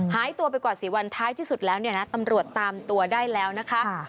หายตัวไปกว่า๔วันท้ายที่สุดแล้วเนี่ยนะตำรวจตามตัวได้แล้วนะคะ